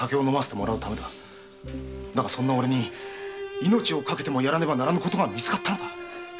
そんなおれに命をかけてもやらねばならぬことがみつかったのだ。